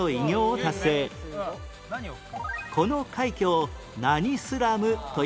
この快挙を何スラムという？